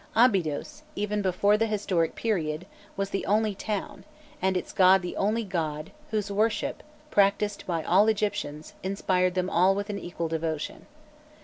Abydos, even before the historic period, was the only town, and its god the only god, whose worship, practised by all Egyptians, inspired them all with an equal devotion.